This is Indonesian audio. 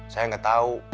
saya nggak tahu